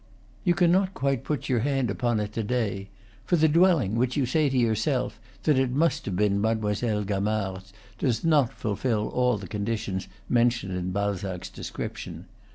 You cannot quite put your hand upon it to day, for the dwelling which you say to yourself that it must have been Mademoiselle Gamard's does not fulfil all the conditions mentioned in BaIzac's de scription.